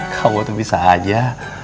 kamu tuh bisa aja